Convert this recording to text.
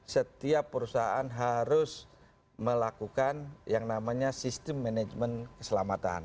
setiap perusahaan harus melakukan yang namanya sistem manajemen keselamatan